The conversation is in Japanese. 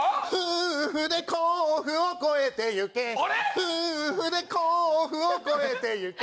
夫婦で甲府を越えてゆけ。